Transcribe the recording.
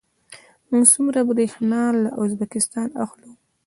موږ څومره بریښنا له ازبکستان اخلو؟